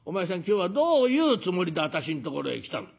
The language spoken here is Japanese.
今日はどういうつもりで私んところへ来たの？」。